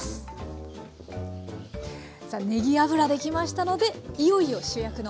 さあねぎ油出来ましたのでいよいよ主役の。